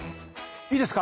いいですか？